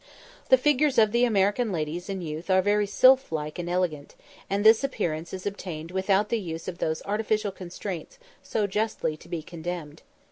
The figures of the American ladies in youth are very sylph like and elegant; and this appearance is obtained without the use of those artificial constraints so justly to be condemned.